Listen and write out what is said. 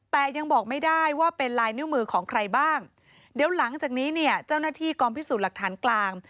แต่ยังบอกไม่ได้ว่าเป็นลายนิ้วมือของใครบ้างเดี๋ยวหลังจากนี้เนี่ยเจ้าหน้าที่กองพิสูจน์หลักฐานกลาง